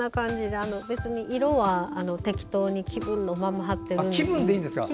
色は適当に気分のまま貼ってるんです。